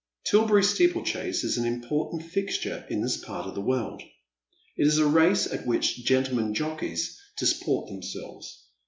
Tilberry steeplechase is an important fixture in this part of the world. It is a race at which gentlemen jockeys disport them selves.